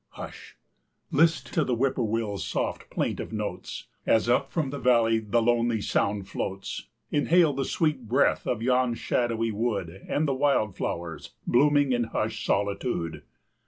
Hush! list to the Whip poor will's soft plaintive notes, As up from the valley the lonely sound floats, Inhale the sweet breath of yon shadowy wood And the wild flowers blooming in hushed solitude.